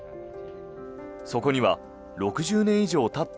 そこには６０年以上たった